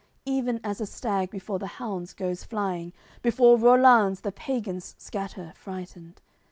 Even as a stag before the hounds goes flying, Before Rollanz the pagans scatter, frightened.